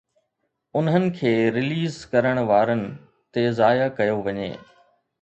انهن کي ريليز ڪرڻ وارن تي ضايع ڪيو وڃي.